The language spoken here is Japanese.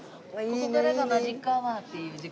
ここからがマジックアワーっていう時間に。